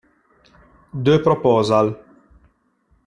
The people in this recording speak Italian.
The Proposal